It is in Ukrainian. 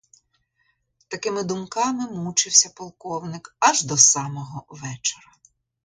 Такими думками мучився полковник аж до самого вечора.